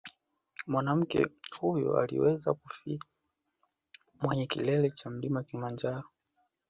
Mwanamke huyo aliweza kufika kwenye kilele cha mlima Kilimanjaro